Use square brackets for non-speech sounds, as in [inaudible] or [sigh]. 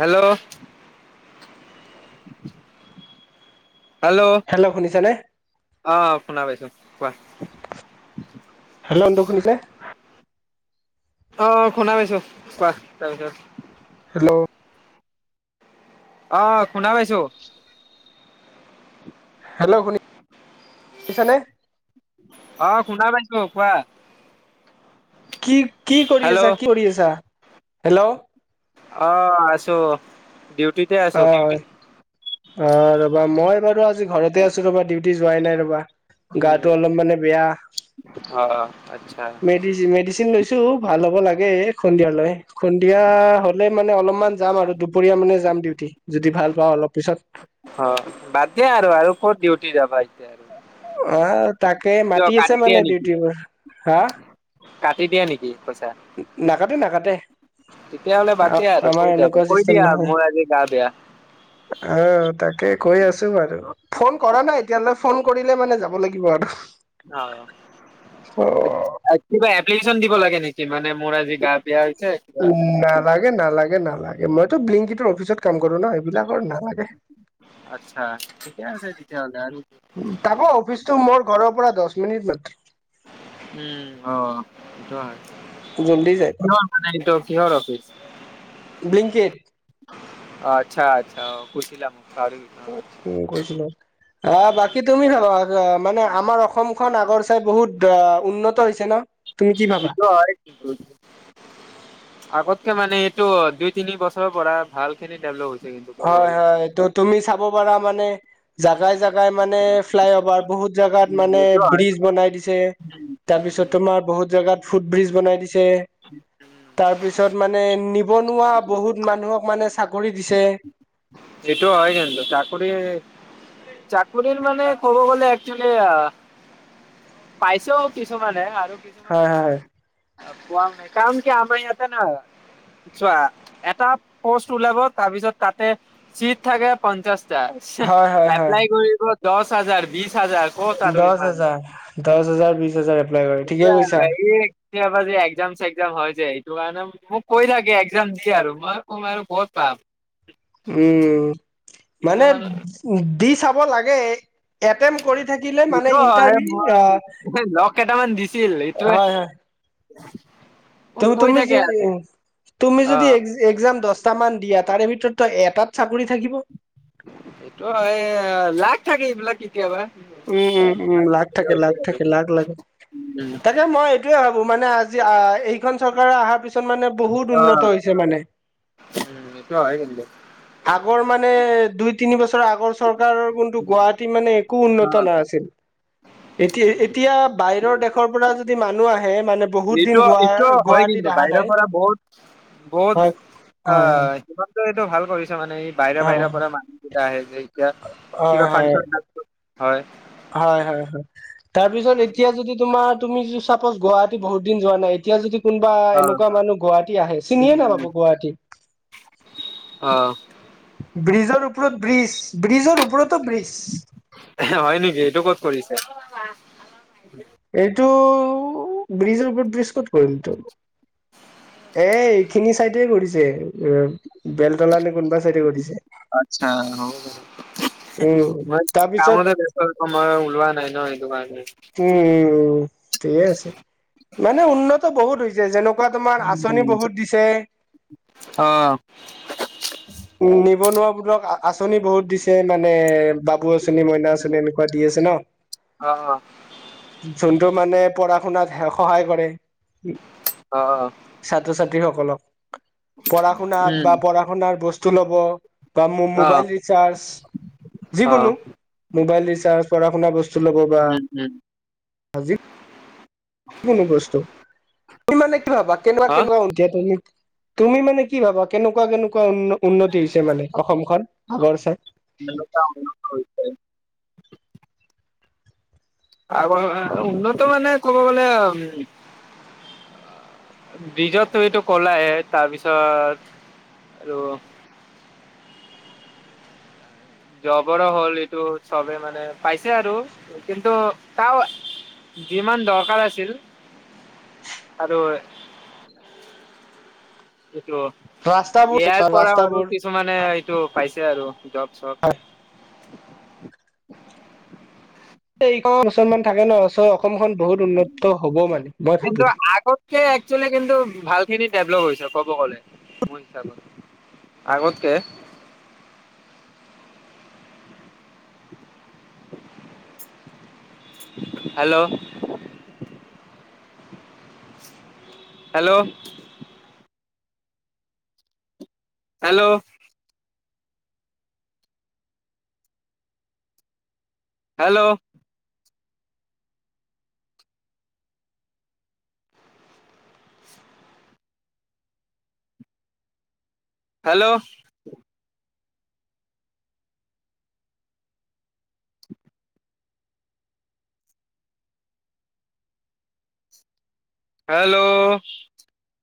Hello, [unintelligible] hello, অ, শুনা পাইছো কোৱা? হেল্ল', [unintelligible] শুনিছে? অ, শুনা পাইছো কোৱা তাৰপিছত হেল্ল', অ, শুনা পাইছো। হেল্ল', শুনি [unintelligible] ছা নে? অ, শুনা পাইছো কোৱা? কি, কি কৰি হেল্ল' আছা কি কৰি আছা হেল্ল'! অ' আছো ডিউটিতে আছো। অ' ৰবা মই বাৰু আজি ঘৰতে আছো ৰবা ডিউটি যোৱাই নাই ৰবা। উম গাটো অলপ মানে বেয়া। অ আচ্ছা মেডি, মেডিচিন লৈছো ভাল হব লাগে। সন্ধিয়ালৈ সন্ধিয়া হ'লে মানে অলপমান যাম আৰু দুপৰীয়া মানে যাম দিউ। অ' বাদ দিয়া আৰু আৰু ক'ত ডিউটি যাবা এতিয়া আৰু। অ' তাকে কিয় মাতি কাটি আছে দিয়া মানে নেকি ডিউটিৰ পৰা। কাটি দিয়া নেকি। নাকাতে নাকাতে। তেতিয়া হ'লে বাদ দিয়া আৰু কৈ যাব কৈ দিয়া মোৰ আজি গা বেয়া। অ' তাকেই। কৈ আছো বাৰু ফোন কৰা নাই এতিয়ালৈ ফোন কৰিলে মানে যাব লাগিব আৰু। অ অ' কিবা এপ্লিকেশন দিব লাগে নেকি মানে। মোৰ আজি গা বেয়া হৈছে কিবা উম নালাগে নালাগে নালাগে মইতো ব্লিংকিত। অফিচত কাম কৰো ন' সেইবিলাকৰ নালাগে। আচ্ছা ঠিকে আছে তেতিয়াহ'লে আৰু তাপা অফিচতটো মোৰ ঘৰৰ পৰা দহ মিনিট মাত্ৰ। উম অ' সেইটো হয় জল্দি যাই [inaudible] এইটো কিহৰ অফিচ। ব্লিংকিট। আচ্ছা -আচ্ছা কুইছিলা। উম কৈছিলো। আহ, বাকী তুমি ভাবা, মানে আমাৰ অসমখন আগৰ চাই বহুত আহ উন্নত হৈছে না? সটো হয়, আগ তে মানে এইটো অ', দুই তিনি বছৰৰ পৰা ভালখিনি ডেভেলপ হয় হয় এটো তুমি চাব পাৰা মানে জাগাই জোগাই মানে ফ্লাইঅভাৰ, বহুত জোগাত উম, মানে এইটো হয়। ব্ৰিজ বনাই দিছে। তাৰপিছত তোমাৰ বহুত জেগাত ফুটব্ৰিজ বনাই দিছে, তাৰ পিছত মানে নিবনুৱা বহুত মানুহক মানে চাকৰি দিছে। এইটো হয় কিন্তু চাকৰি চাকৰিৰ মানে ক'ব গ'লে একচুৱেলি পাইছো কিছুমানে আৰু হয় হয় কিছুমানে আ কাম ক আমাৰ [unintelligible] আতে ন চোৱা এটা পষ্ট ওলাব, তাৰপিছত তাতে চিট থাকে পঞ্চাশ হয় হয় হয় এপ্লাই কৰিব দহ হাজাৰ বিশ হাজাৰ ক'ত আৰু দহ ইমান হাজাৰ দহ হাজাৰ বিছ হাজাৰ এপ্লাই কৰে ঠিকে কৈছা এই পি একজাম চেকজাম হয় যে কাৰে মোক কৈ থাকে একজাম দি আৰু মই কম আৰু ক'ত পাম। উম, মানে দি চাব লাগে এটেম কৰি থাকিলে মানে সেইটো হয় ইটাৰভিউ, মই লগ কেইটামান দিছিল এইটোৱে হয় হয়। মোক কৈ তুমি য, থাকে আৰু তুমি অ যদি এক্সাম দশ টা মান দিয়া তাৰে ভিতৰতো এটাত চাকৰি থাকিব। সটো হয়, লাক থাকে এইবিলাক কেতিয়াবা। উম উম উম, লাক থাকে লাক থাকে লাক লাক, উম, তাকে মই এইটোয়ে ভাবো মানে আজি এইখন চৰকাৰে অহাৰ পিছত মানে বহুত অ উন্নত হৈছে মানে। উম, এইটো হয় কিন্তু আগৰ মানে দুই তিনি বছৰ আগৰ চৰকাৰৰ কিন্তু গুৱাহাটীত মানে একো অ উন্নত আ এতিয়া উম এতিয়া বাহিৰৰ দেশৰ পৰা যদি মানুহ আহে মানে বহুত দিন এইটো গুৱা এইটো হয় গুৱাহাটীত কিন্তু অহা বাহিৰৰ নাই পৰা বহুত বহুত হয় আ, হয় হিমন্তই টো ভাল কৰিছা মানে, এই বাহৰি হয় হয় বাহিৰৰ পৰা মানুহ কেইটা আহে যে এতিয়া কিবা হয় ফাংচন হয় হয় হয় হয়, তাৰপিছত এতিয়া যদি তোমাৰ তুমি চাপোজ গুৱাহাটী বহু দিন যোৱা নাই এতিয়া যদি কোনোবা অ এনেকুৱা মানুহ গুৱাহাটী আহে চিনিয়ে উম, নাাপাব গুৱাহাটী অ, ব্ৰিজৰ ওপৰত ব্ৰিজ, ব্ৰিজৰ ওপৰত হয় নেকি, এইটো ক'ত কৰিছে? এইটো ব্ৰিজৰ ওপৰত ব্ৰিজট কৰিম তো এ এইখিনি চাইডে কৰিছে, এ বেলতলা নে কোনোবা চাইডে কৰিছে। আচ্ছা হ'ব দে। [inaudible] মই তাৰপিছত কামতে ব্যস্ত থাকোঁ মই ওলোৱা নাই ন এইটো কাৰণে থিকে আছে মানে উন্নত বহুত হৈছে, যেনেকুৱা তোমাৰ আঁচনি বহুত দিছে অ' ক আঁচনি বহুত দিছে মানে বাবু আঁচনি, মইনা আঁচনি এনেকুৱা দি আছে ন', অ অ যোনটো মানে পঢ় শুনাত সহায় কৰে, অ অ ছাত্ৰ ছাত্ৰী সকলক পঢ়া শুনাত উম বা পঢ়া শুনাৰ বস্তু ল'ব বা অ মোবাইল ৰিচাৰ্জ অ যিকোনো মোবাইল ৰিচাৰ্জ, পঢ়া শুনা বস্তু ল'ব, বা উম উম আজি কোনো বস্তু, ইমানো কি ভাবা কেনেকুৱা হা? কেনেকুৱা [unintelligible] তুমি? তুমি মানে কি ভাবা কেনেকুৱা কেনেকুৱা উন্নতি হৈছে মানে অসমখন, আগৰ চাই? কেনেকুৱা উন্নত হৈছে? [unintelligible] উন্নত মানে ক'ব গ'লে ব্ৰিজত তুমিতো কলায়ে, তাৰপিছত আৰু জবৰো হ'ল এইটো চবে মানে পাইছে আৰু কিন্তু তাও যিমান দৰকাৰ আছিল, আৰু এইটো এ ৰাস্তাবোৰ আইৰ পৰা আৰু ৰাস্তাবোৰ কিছুমানে এইটো পাইছে আৰু জব চব স ক মুছলমান থাকে ন', চ' অসমখন বহুত উন্নত হ'ব মানে মই কিন্তু ভাবো। সখিনি ডেভলপ হৈছে ক'ব গ'লে মোৰ হিচাপত, আগতকে [inaudible] hello hello hello hello hello hello